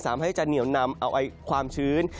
สามารถให้จะเหนียวนำเอาไว้ความชื้น